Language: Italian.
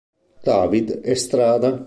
David Estrada